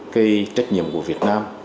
cái trách nhiệm của việt nam